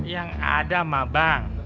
yang ada mabang